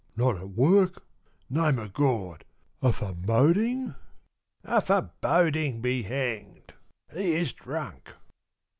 "Not at work! Name of God! a foreboding?" "A foreboding be hanged! He is drunk!"